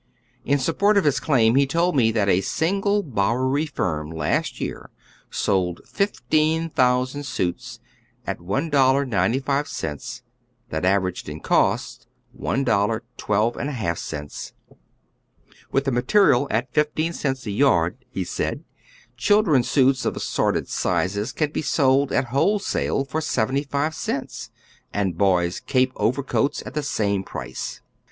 In support of his claim he told me that a single Bowery firm last year sold fif teen thousand suits at $1.95 that averaged in cost $1.12^. With the material at fifteen cents a yard, he said, chil dren's suits of assorted sizes can be sold at wholesale for seventy five cents, and boys' cape overcoats at the same price.